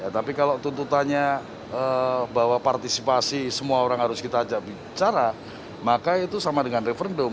tapi kalau tuntutannya bahwa partisipasi semua orang harus kita ajak bicara maka itu sama dengan referendum